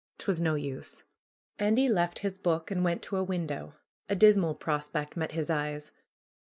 'Twas no use ! Andy left his book and went to a window. A dismal ANDY'S VISION 31 prospect met his eyes.